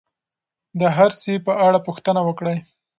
د هر سي په اړه پوښتنه وکړئ.